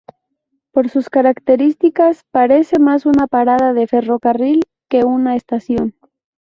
Por sus características, parece más una parada de ferrocarril que una estación.